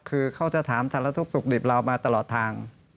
คือเขาจะถามสารทุกข์สุขดิบเรามาตลอดทาง